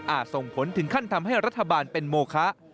ส่งผลถึงขั้นทำให้รัฐบาลเป็นโมคะ